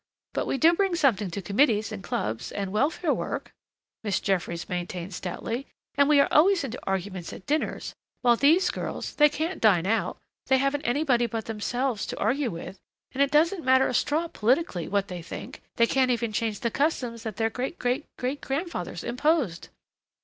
But we do bring something to committees and clubs and and welfare work," Miss Jeffries maintained stoutly. "And we are always into arguments at dinners. While these girls, they can't dine out, they haven't anybody but themselves to argue with, and it doesn't matter a straw politically what they think they can't even change the customs that their great, great, great grandfathers imposed.